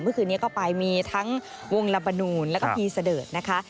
เมื่อคืนนี้ก็ไปมีทั้งวงลาบานูนแล้วก็พีเสดิร์ดนะคะ